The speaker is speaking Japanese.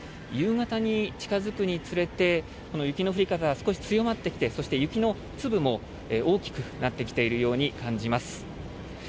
夕方に近づくにつれて、この雪の降り方が少し強まってきて、そして雪の粒も大きくなってきているように感じます。